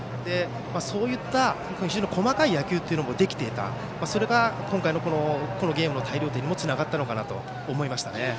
そういった非常に細かい野球もできていたそれが今回のゲームの大量点につながったと思いますね。